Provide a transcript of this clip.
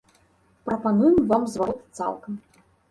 Прапануем вам зварот цалкам.